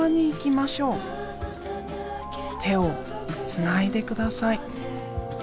てをつないでください」。